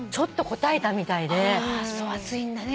暑いんだね